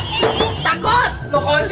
bukan berulangan sih